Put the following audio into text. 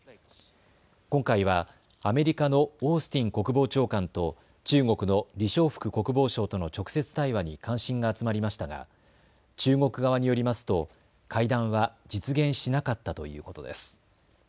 今回はアメリカのオースティン国防長官と中国の李尚福国防相との直接対話に関心が集まりましたが中国側によりますと会談は実現しなかったということです。